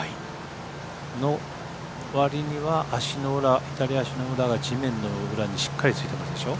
その割には足の裏、左足の裏が地面の裏にしっかりついてますでしょ。